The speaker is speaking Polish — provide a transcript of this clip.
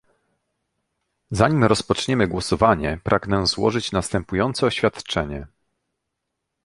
Zanim rozpoczniemy głosowanie pragnę złożyć następujące oświadczenie